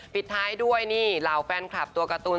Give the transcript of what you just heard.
ปิดท้ายด้วยนี่เหล่าแฟนคลับตัวการ์ตูน